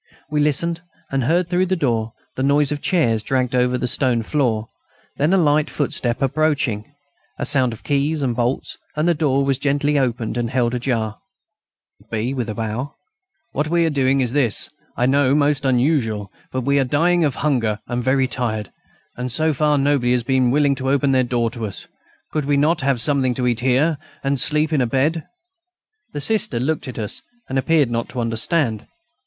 We listened, and heard, through the door, the noise of chairs dragged over the stone floor; then a light footstep approaching, a sound of keys and bolts, and the door was gently opened and held ajar. "Sister," said B., with a bow, "what we are doing is, I know, most unusual; but we are dying of hunger and very tired, and, so far, nobody has been willing to open their door to us. Could we not have something to eat here, and sleep in a bed?" The Sister looked at us and appeared not to understand.